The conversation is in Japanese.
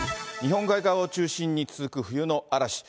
日本海側を中心に続く冬の嵐。